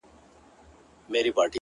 په سپورمۍ كي ستا تصوير دى _